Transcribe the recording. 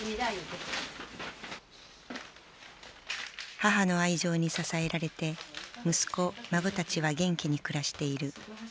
母の愛情に支えられて息子孫たちは元気に暮らしている。